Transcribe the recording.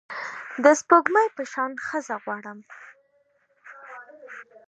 د سپوږمۍ په شان ښځه غواړم